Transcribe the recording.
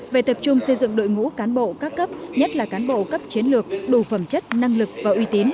về tập trung xây dựng đội ngũ cán bộ các cấp nhất là cán bộ cấp chiến lược đủ phẩm chất năng lực và uy tín